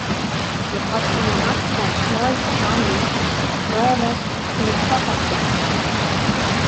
Der hat yn de nacht fan snein op moandei brân west yn in tapasbar.